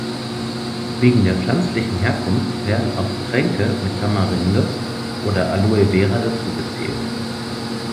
Wegen der pflanzlichen Herkunft werden auch Getränke mit Tamarinde oder Aloe vera dazugezählt.